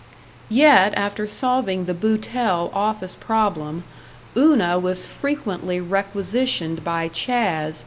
Yet, after solving the Boutell office problem, Una was frequently requisitioned by "Chas."